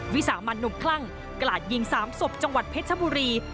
วิสามันหนุ่มคลั่งกราดยิง๓ศพจังหวัดเพชรบุรี